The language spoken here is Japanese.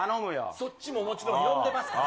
そっちももちろん呼んでますから。